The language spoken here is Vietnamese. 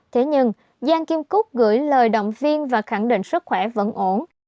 thế nhưng giang kim cúc gửi lời động viên và khẳng định sức khỏe vẫn ổn